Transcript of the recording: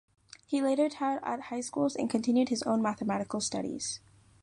He later taught at high schools and continued his own mathematical studies.